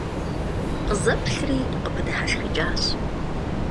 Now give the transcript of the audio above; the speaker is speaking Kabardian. Къызэплъри, къыпыдыхьэшхыкӀащ.